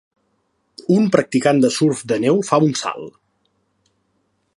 un practicant de surf de neu fa un salt.